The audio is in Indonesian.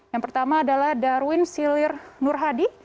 yang pertama adalah darwin silir nurhadi